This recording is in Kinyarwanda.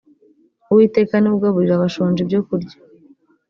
uwiteka ni we ugaburira abashonji ibyo kurya